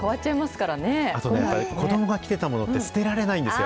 あとね、やっぱり子どもが着てたものって捨てられないんですよ。